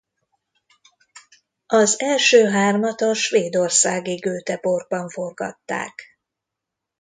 Az első hármat a svédországi Göteborgban forgatták.